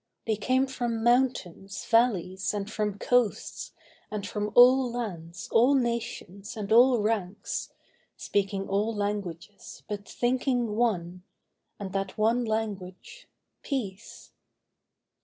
They came from mountains, valleys, and from coasts, And from all lands, all nations, and all ranks, Speaking all languages, but thinking one. And that one language—Peace.